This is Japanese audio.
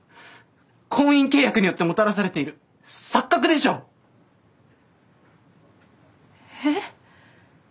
婚姻契約によってもたらされている錯覚でしょう？え？